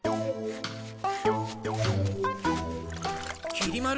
きり丸。